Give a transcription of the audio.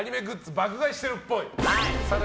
爆買いしてるっぽい。